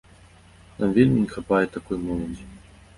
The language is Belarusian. Нам вельмі не хапае такой моладзі.